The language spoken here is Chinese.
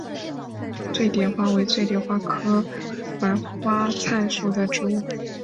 醉蝶花为醉蝶花科白花菜属的植物。